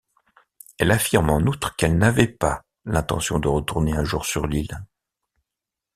Elle affirme en outre qu'elle n'avait pas l'intention de retourner un jour sur l'île.